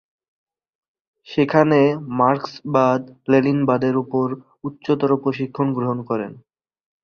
সেখানে মার্কসবাদ-লেনিনবাদের ওপর উচ্চতর প্রশিক্ষণ গ্রহণ করেন।